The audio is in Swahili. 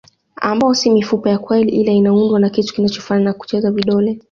Ambao si mifupa ya kweli ila inaundwa na kitu kinachofanana na kucha za vidole